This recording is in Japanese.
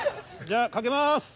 じゃかけます。